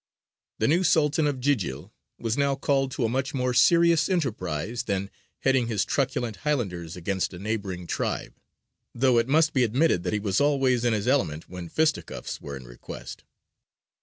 The new Sultan of Jījil was now called to a much more serious enterprize than heading his truculent highlanders against a neighbouring tribe though it must be admitted that he was always in his element when fisticuffs were in request.